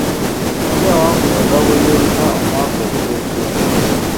Ani yawangula engabo y’ebika omwaka oguwedde?